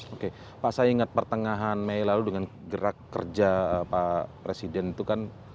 oke pak saya ingat pertengahan mei lalu dengan gerak kerja pak presiden itu kan